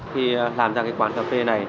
khi làm ra cái quán cà phê này